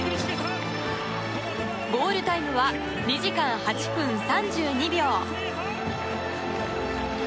ゴールタイムは２時間８分３２秒。